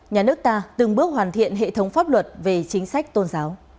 nhà nước ta từng bước hoàn thiện hệ thống pháp luật về chính sách tôn giáo